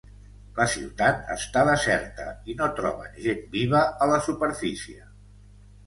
La ciutat està deserta, i no troben gent viva a la superfície.